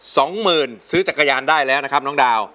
สองหมื่นซื้อจักรยานได้แล้วนะครับน้องดาว